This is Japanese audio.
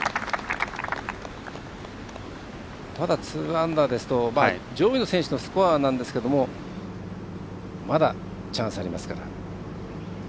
まだ２アンダーですと上位の選手のスコアですけどまだ、チャンスありますから。